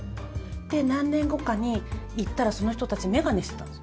で、何年後かに行ったらその人たち、眼鏡してたんです。